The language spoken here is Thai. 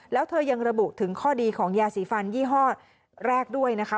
แล้วเธอยังระบุถึงข้อดีของยาสีฟันยี่ห้อแรกด้วยนะคะ